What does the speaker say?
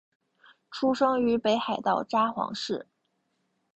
出生于北海道札幌市。